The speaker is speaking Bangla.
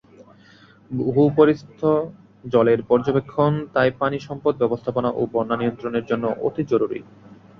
ভূপরিস্থ জলের পর্যবেক্ষণ তাই পানি সম্পদ ব্যবস্থাপনা ও বন্যা নিয়ন্ত্রণের জন্যে অতি জরুরী।